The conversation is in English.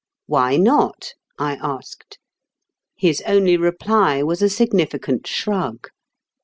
"Why not?" I asked. His only reply was a significant shrug.